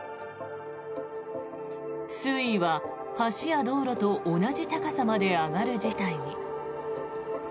水位は橋や道路と同じ高さまで上がる事態に。